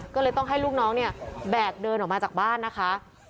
ก็เลยต้องให้ลูกน้องเนี่ยแบกเดินออกมาจากบ้านนะคะ